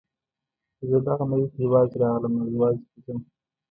زه دغه نړۍ ته یوازې راغلم او یوازې به ځم.